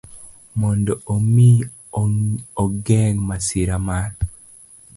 Mondo omi ogeng ' masira mar